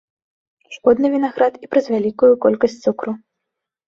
Шкодны вінаград і праз вялікую колькасць цукру.